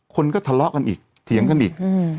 คนก็ทะเลาะกันอีกเถียงกันอีก